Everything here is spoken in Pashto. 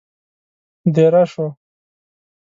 دېره شوو.